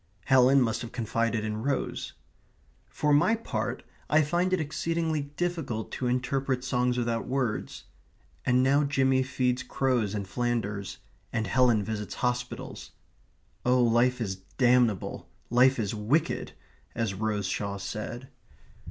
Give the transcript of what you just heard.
Helen must have confided in Rose. For my own part, I find it exceedingly difficult to interpret songs without words. And now Jimmy feeds crows in Flanders and Helen visits hospitals. Oh, life is damnable, life is wicked, as Rose Shaw said.